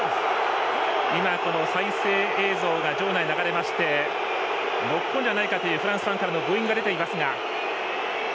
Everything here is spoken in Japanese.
再生映像が場内に流れましてノックオンではないかというフランスファンからのブーイングが出ていますが。